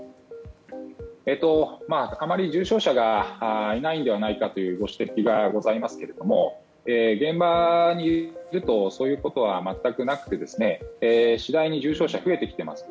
あまり重症者がいないのではないかというご指摘がございますが現場にいるとそういうことは全くなくて次第に重症者が増えてきています。